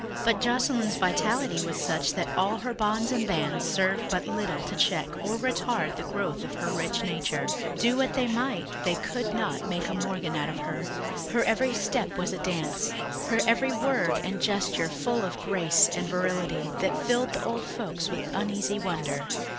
But Joscelyn's vitality was such that all her bonds and bands served but little to check or retard the growth of her rich nature. Do what they might they could not make a Morgan of her. Her every step was a dance, her every word and gesture full of a grace and virility that filled the old folks with uneasy wonder.